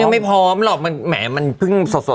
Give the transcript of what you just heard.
ยังไม่พร้อมหรอกแหมมันเพิ่งสดแล้วร้อน